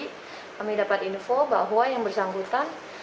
kami dapat info bahwa yang bersangkutan